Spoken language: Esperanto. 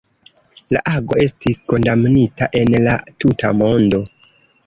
La ago estis kondamnita en la tuta mondo.